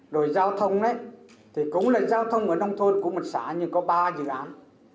rồi giao thông đấy thì cũng là giao thông ở nông thôn của một xã nhưng có ba dự án